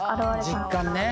実感ね。